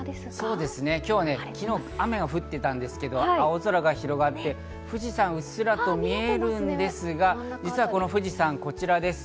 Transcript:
昨日、雨が降っていたんですけど、青空が広がって、富士山がうっすらと見えるんですが、実はこの富士山、こちらです。